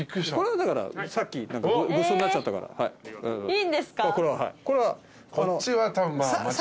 いいんですか？